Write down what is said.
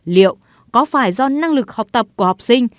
liệu có phải do năng lực học tập của học sinh